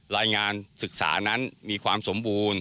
รายงานศึกษานั้นมีความสมบูรณ์